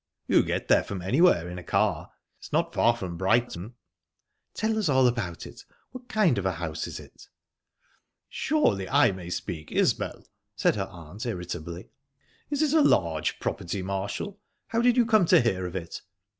"You get there from anywhere, in a car. It's not far from Brighton." "Tell us all about it. What kind of a house is it?" "Surely I may speak, Isbel!" said her aunt irritably. "Is it a large property, Marshall? How did you come to hear of it?"